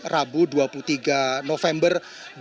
rabu dua puluh tiga november dua ribu dua puluh